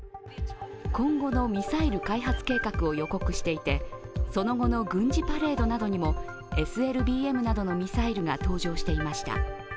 今後のミサイル開発計画を予告していてその後の軍事パレードなどにもＳＬＢＭなどのミサイルが登場していました。